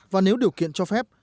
và nếu điều kiện cho phép